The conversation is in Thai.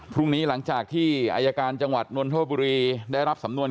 พรุ่งนี้หลังจากที่อายการจังหวัดนนทบุรีได้รับสำนวน